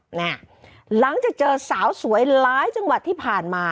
หลังจากเจอสาวสวยหลายจังหวัดที่ผ่านมา